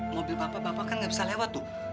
mobil bapak bapak kan gak bisa lewat tuh